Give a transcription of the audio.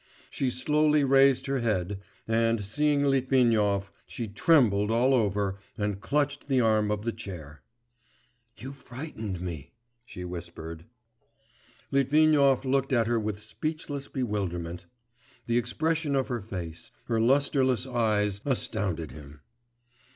She slowly raised her head, and seeing Litvinov, she trembled all over and clutched the arm of the chair. 'You frightened me,' she whispered. Litvinov looked at her with speechless bewilderment. The expression of her face, her lustreless eyes, astounded him.